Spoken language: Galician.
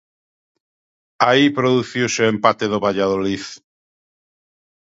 Aí produciuse o empate do Valladolid.